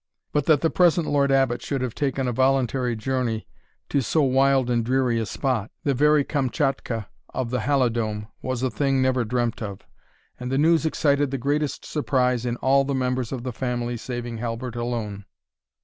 But that the present Lord Abbot should have taken a voluntary journey to so wild and dreary a spot, the very Kamtschatka of the Halidome, was a thing never dreamt of; and the news excited the greatest surprise in all the members of the family saving Halbert alone.